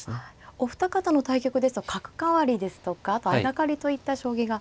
お二方の対局ですと角換わりですとかあと相掛かりといった将棋がありました。